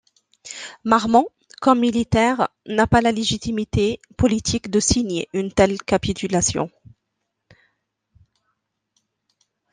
Marmont, comme militaire, n'a pas la légitimité politique de signer une telle capitulation.